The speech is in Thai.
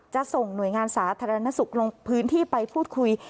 ส่งหน่วยงานสาธารณสุขลงพื้นที่ไปพูดคุย